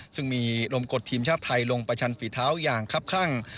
ซึ่งมีลมกดทีมชาติไทยลงประชันฝีเท้าอย่างครับข้าง